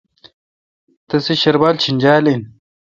تسے شربال چینجال این۔